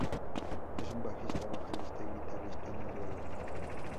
Es un bajista, vocalista y guitarrista noruego.